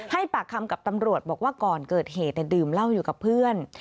ปากคำกับตำรวจบอกว่าก่อนเกิดเหตุดื่มเหล้าอยู่กับเพื่อน